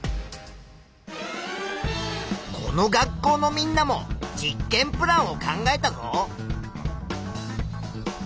この学校のみんなも実験プランを考えたぞ。